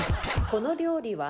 この料理は？